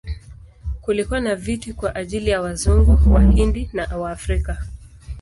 Kulikuwa na viti kwa ajili ya Wazungu, Wahindi na Waafrika.